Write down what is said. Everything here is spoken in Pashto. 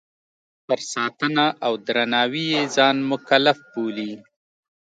پر ساتنه او درناوي یې ځان مکلف بولي.